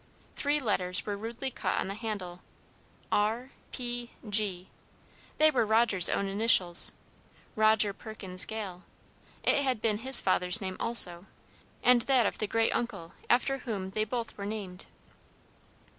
Three letters were rudely cut on the handle, R. P. G. They were Roger's own initials. Roger Perkins Gale. It had been his father's name also, and that of the great uncle after whom they both were named.